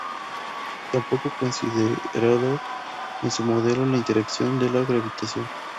Tampoco consideraba en su modelo la interacción de la gravitación.